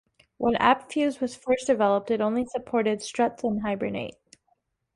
When AppFuse was first developed, it only supported Struts and Hibernate.